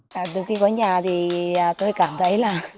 từ khi có nhà thì tôi cảm thấy là